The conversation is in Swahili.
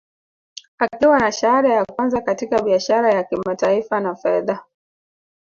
Akiwa na shahada ya kwanza katika biashara ya kimataifa na fedha